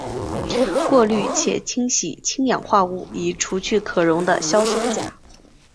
过滤且清洗氢氧化物以除去可溶的硝酸钾。